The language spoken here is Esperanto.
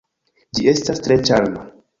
Ĝi estas tre ĉarma.